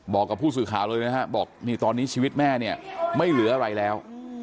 บอกกับผู้สื่อข่าวเลยนะฮะบอกนี่ตอนนี้ชีวิตแม่เนี่ยไม่เหลืออะไรแล้ว